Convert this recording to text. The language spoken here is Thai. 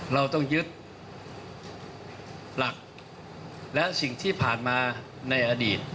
เราต้องยึดหลักและสิ่งที่ผ่านมาในอดีต